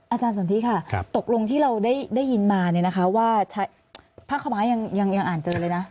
อาจารย์สนทิค่ะตกลงที่เราได้ยินมาเนี่ยนะคะว่าผ้าขม้ายังอ่านเจอเลยนะ